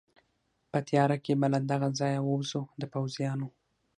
په تېاره کې به له دغه ځایه ووځو، د پوځیانو.